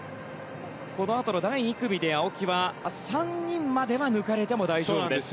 このあとの第２組で青木は３人までは抜かれても大丈夫です。